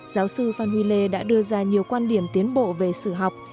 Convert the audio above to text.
giáo sư phan huy lê đã đưa ra nhiều quan điểm tiến bộ về sử học